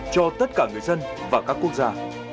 cho tất cả người dân và các quốc gia